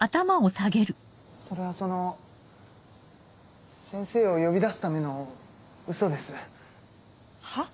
それはその先生を呼び出すためのウソです。は？